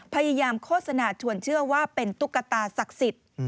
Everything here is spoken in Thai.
โฆษณาชวนเชื่อว่าเป็นตุ๊กตาศักดิ์สิทธิ์